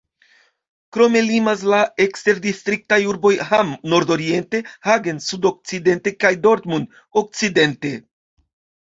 Krome limas la eksterdistriktaj urboj Hamm nordoriente, Hagen sudokcidente kaj Dortmund okcidente.